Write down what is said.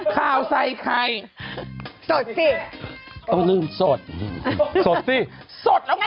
ข่าวใส่ไข่สดสิต้องลืมสดสดสิสดแล้วไง